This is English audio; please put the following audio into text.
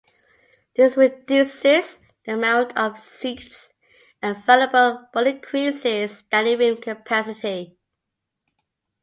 This reduces the amount of seats available but increases standing room capacity.